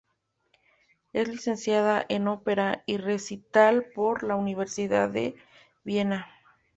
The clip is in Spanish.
Es licenciada en Ópera y Recital por la Universidad de Viena.